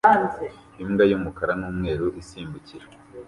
Imbwa y'umukara n'umweru isimbukira